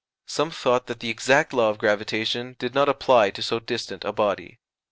Some thought that the exact law of gravitation did not apply to so distant a body.